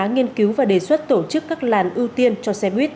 nghiên cứu và đề xuất tổ chức các làn ưu tiên cho xe buýt